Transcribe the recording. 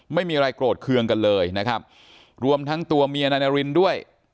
ไม่มีอะไรโกรธเคืองกันเลยนะครับรวมทั้งตัวเมียนายนารินด้วย